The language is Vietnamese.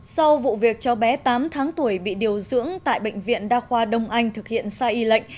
sau vụ việc cháu bé tám tháng tuổi bị điều dưỡng tại bệnh viện đa khoa đông anh thực hiện sai y lệnh